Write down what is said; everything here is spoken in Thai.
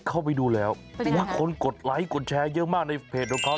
เข้าไปดูแล้วว่าคนกดไลค์กดแชร์เยอะมากในเพจของเขา